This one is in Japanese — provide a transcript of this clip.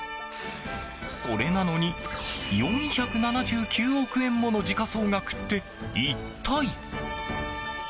それなのに４７９億円もの時価総額って一体。